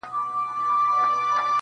جادوګر دانې را وایستې دباندي.!